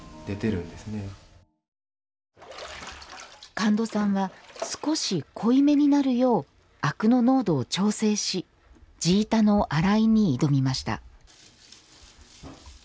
神門さんは少し濃いめになるよう灰汁の濃度を調整し地板の洗いに挑みました